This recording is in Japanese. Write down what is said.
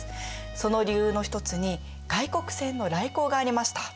その理由の一つに外国船の来航がありました。